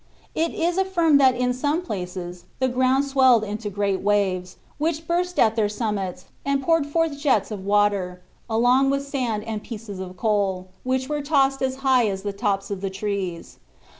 It is affirmed that in some places the ground swelled into great waves, which burst at their summits and poured forth jets of water, along with sand and pieces of coal, which were tossed as high as the tops of trees.